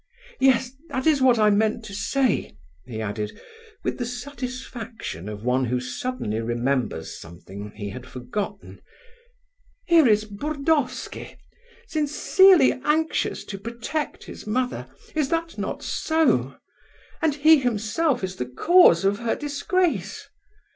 "Yes, that is what I meant to say," he added, with the satisfaction of one who suddenly remembers something he had forgotten. "Here is Burdovsky, sincerely anxious to protect his mother; is not that so? And he himself is the cause of her disgrace.